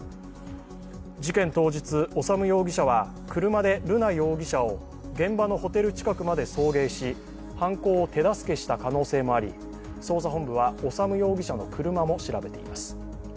事件当日、修容疑者は車で瑠奈容疑者を現場のホテル近くまで送迎し犯行を手助けした可能性もあり捜査本部は修容疑者の車も調べています。